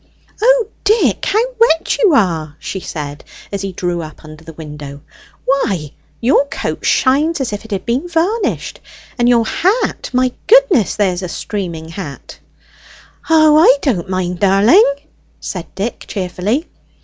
"O Dick, how wet you are!" she said, as he drew up under the window. "Why, your coat shines as if it had been varnished, and your hat my goodness, there's a streaming hat!" "O, I don't mind, darling!" said Dick cheerfully.